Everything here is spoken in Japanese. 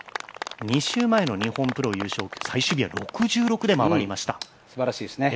２週前の日本プロ、最終日は６６で回りました。